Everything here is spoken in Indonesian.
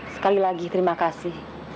sekali lagi terima kasih